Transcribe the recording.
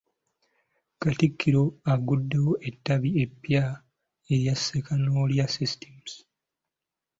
Katikkiro agguddewo ettabi eppya erya Ssekanyolya systems.